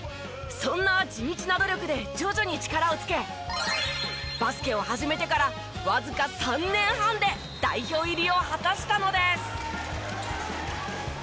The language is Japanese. そんな地道な努力で徐々に力をつけバスケを始めてからわずか３年半で代表入りを果たしたのです。